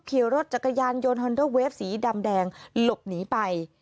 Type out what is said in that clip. ขี่รถจักรยานยนต์ฮอนเดอร์เวฟสีดำแดงหลบหนีไป